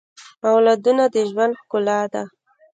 اولادونه د ژوند ښکلا ده